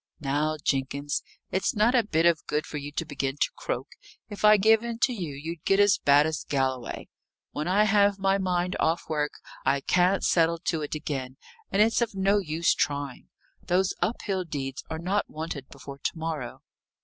"Now, Jenkins, it's not a bit of good for you to begin to croak! If I gave in to you, you'd get as bad as Galloway. When I have my mind off work, I can't settle to it again, and it's of no use trying. Those Uphill deeds are not wanted before to morrow."